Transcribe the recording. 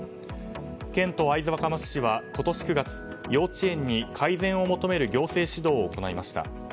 県と会津若松市は今年９月幼稚園に改善を求める行政指導を行いました。